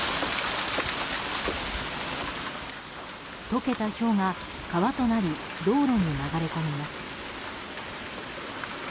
解けたひょうが川となり道路に流れ込みます。